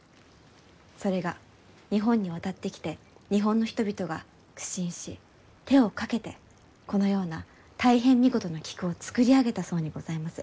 それが日本に渡ってきて日本の人々が苦心し手をかけてこのような大変見事な菊を作り上げたそうにございます。